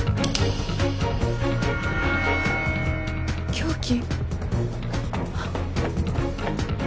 凶器。